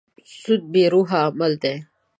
سود بې روحه عمل دی.